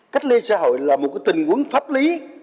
cách ly xã hội là một tình huống pháp lý